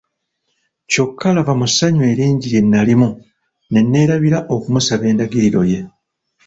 Kyokka laba mu ssanyu eringi lye nalimu ne neerabira okumusaba endagiriro ye.